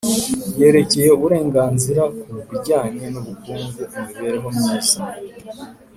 yerekeye Uburenganzira ku bijyanye n ubukungu imibereho myiza